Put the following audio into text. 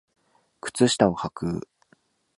靴下をはく